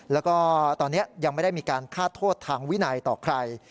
แล้วก็ตอนนี้ยังไม่ได้มีการฆ่าโทษทางวินัยต่อใคร